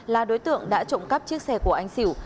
là đối tượng đã trộm cắp chiếc xe của anh xỉu